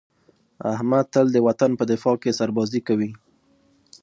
احمد تل د وطن په دفاع کې سربازي کوي.